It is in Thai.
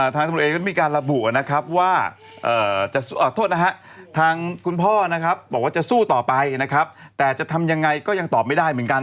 ทางทุนดูเองคงมีการระบุว่าทางนางเขาเข้าใจว่าจะสู้ต่อไปแต่จะทำอย่างไรก็ยังตอบไม่ได้เหมือนกัน